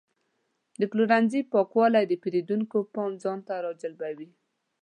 د پلورنځي پاکوالی د پیرودونکو پام ځان ته راجلبوي.